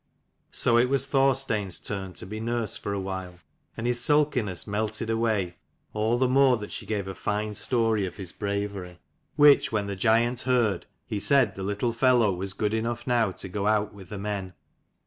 So it was Thorstein's turn to be nurse for a while, and his sulkiness melted away : all the more that she gave a fine story of his bravery. Which when the giant heard, he said the little fellow was good enough now to go out with the men.